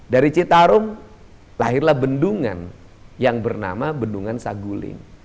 dari citarum lahirlah bendungan yang bernama bendungan saguling